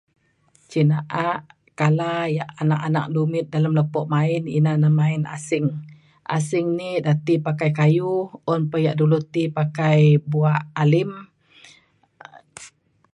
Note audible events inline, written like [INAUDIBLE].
Cin na'a kala ia anak-anak lumit dalem lepo main ina na main asing. Asing ni ida ti pakai kayu, un pa ia' dulo ti pakai bua alim [NOISE]